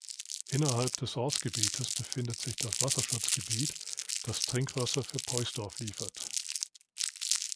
Innerhalb des Ortsgebietes befindet sich das Wasserschutzgebiet, das Trinkwasser für Poysdorf liefert.